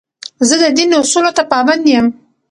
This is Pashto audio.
زه د دین اصولو ته پابند یم.